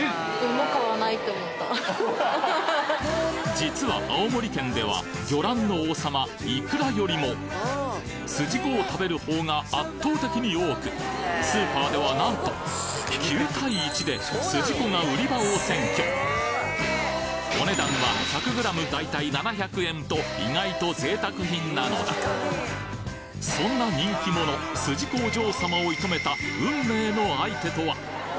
実は青森県では魚卵の王様いくらよりもすじこを食べる方が圧倒的に多くスーパーではなんと９対１ですじこが売り場を占拠お値段は１００ｇ大体７００円と意外と贅沢品なのだそんな人気者すじこお嬢様を射止めた運命の相手とは！？